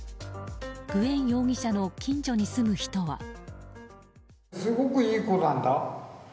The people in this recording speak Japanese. グエン容疑者の近所に住む人は。